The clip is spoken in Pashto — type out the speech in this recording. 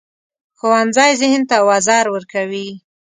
ښوونځی ذهن ته وزر ورکوي